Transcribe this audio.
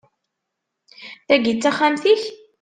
Tagi d taxxamt-ik?